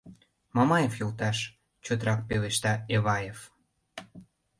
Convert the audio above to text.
— Мамаев йолташ! — чотрак пелешта Эваев.